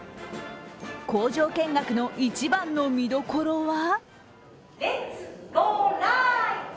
工場見学の一番の見どころは？